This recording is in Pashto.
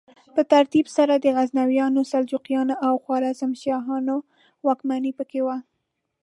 په ترتیب سره د غزنویانو، سلجوقیانو او خوارزمشاهیانو واکمني پکې وه.